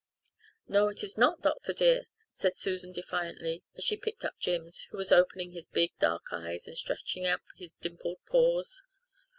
"No, it is not, doctor dear," said Susan defiantly, as she picked up Jims, who was opening his big dark eyes and stretching up his dimpled paws.